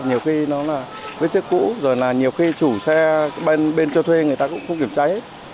nhiều khi nó là vết xước cũ rồi là nhiều khi chủ xe bên cho thuê người ta cũng không kiểm tra hết